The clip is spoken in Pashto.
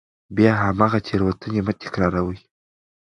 بیا هماغه تېروتنې مه تکراروئ.